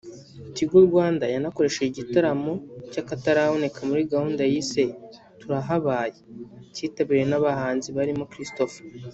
Tigo Rwanda yanakoresheje igitaramo cy’akataraboneka muri gahunda yise “Turahabaye” cyitabiriwe n’abahanzi barimo Christopher